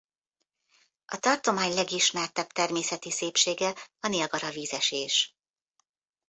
A tartomány legismertebb természeti szépsége a Niagara-vízesés.